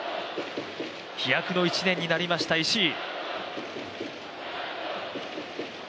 飛躍の一年になりました、石井。